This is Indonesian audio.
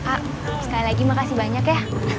a sekali lagi makasih banyak ya